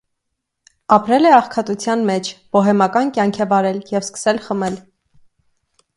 Ապրել է աղքատության մեջ, բոհեմական կյանք է վարել և սկսել խմել։